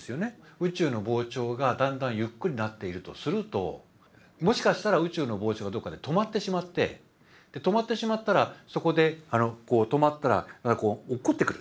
宇宙の膨張がだんだんゆっくりになっているとするともしかしたら宇宙の膨張がどっかで止まってしまって止まってしまったらそこで止まったら落っこってくる。